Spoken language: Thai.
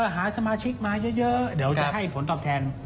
หาสมาชิกมาเยอะเดี๋ยวจะให้ผลตอบแทน